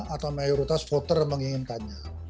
atau mayoritas voter menginginkannya